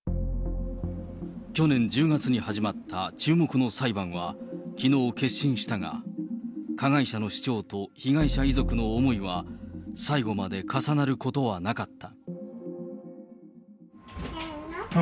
去年１０月に始まった注目の裁判は、きのう結審したが、加害者の主張と被害者遺族の思いは、最後まで重なることはなかった。